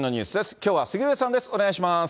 きょうは杉上さんです。